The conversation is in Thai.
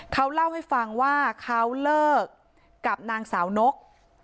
เขาเล่าให้ฟังว่าเขาเลิกกับนางสาวนก